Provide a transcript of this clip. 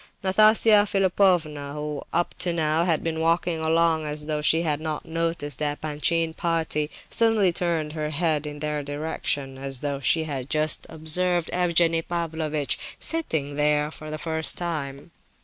Nastasia Philipovna, who up to now had been walking along as though she had not noticed the Epanchin party, suddenly turned her head in their direction, as though she had just observed Evgenie Pavlovitch sitting there for the first time.